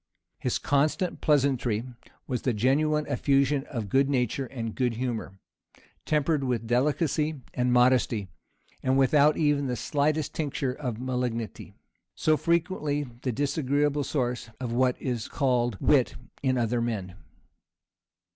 His constant pleasantry was the genuine effusion of good nature and good humor, tempered with delicacy and modesty, and without even the slightest tincture of malignity, so frequently the disagreeable source of what is called wit in other men.